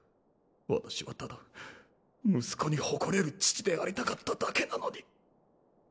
私はただ息子に誇れる父でありたかっただけなのに。